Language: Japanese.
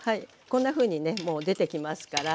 こんなふうにねもう出てきますから。